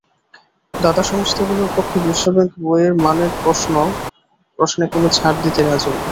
দাতা সংস্থাগুলোর পক্ষে বিশ্বব্যাংক বইয়ের মানের প্রশ্নে কোনো ছাড় দিতে রাজি নয়।